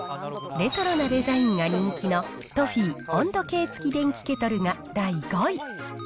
レトロなデザインが人気のトフィー温度計付き電気ケトルが第５位。